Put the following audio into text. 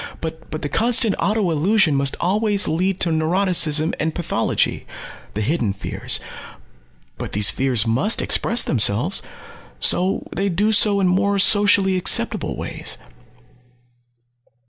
But the constant auto illusion must always lead to neuroticism and pathology the hidden fears. But these fears must express themselves. So they do so in more socially acceptable ways."